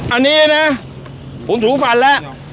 อันนี้นะผมถูกฟันละ